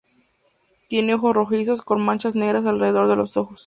Tiene ojos rojizos, con manchas negras alrededor de los ojos.